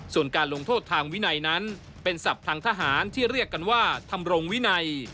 ส่วนการลงโทษทางวินัยนั้นเป็นศัพท์ทางทหารที่เรียกกันว่าทำรงวินัย